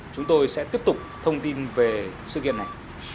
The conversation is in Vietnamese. chúng tôi sẽ tiếp tục thông tin về sự kiện này